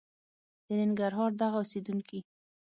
د ننګرهار دغه اوسېدونکي